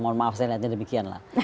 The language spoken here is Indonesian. mohon maaf saya lihatnya demikian lah